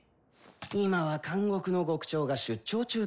今は監獄の獄長が出張中だからなぁ。